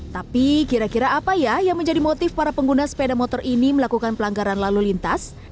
tapi kira kira apa ya yang menjadi motif para pengguna sepeda motor ini melakukan pelanggaran lalu lintas